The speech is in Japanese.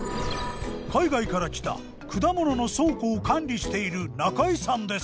海外から来た果物の倉庫を管理している中井さんです。